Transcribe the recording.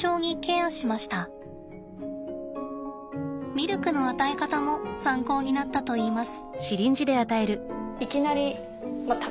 ミルクの与え方も参考になったといいます。